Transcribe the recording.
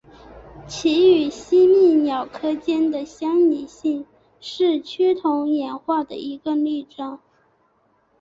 其与吸蜜鸟科间的相拟性是趋同演化的一个例证。